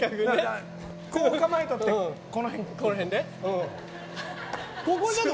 こう構えとって、この辺くる。